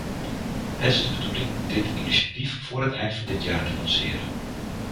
Het is de bedoeling dit initiatief voor het eind van dit jaar te lanceren.